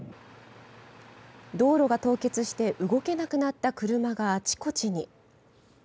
道路が凍結して動けなくなった車があちこちに。